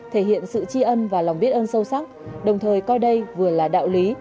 thể hiện sự chi ân và lòng biết ân sâu sắc đồng thời coi đây vừa là đạo lý